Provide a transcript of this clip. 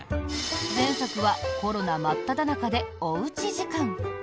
前作はコロナ真っただ中でおうち時間。